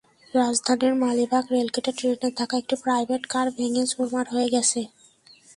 রাজধানীর মালিবাগ রেলগেটে ট্রেনের ধাক্কায় একটি প্রাইভেট কার ভেঙে চুরমার হয়ে গেছে।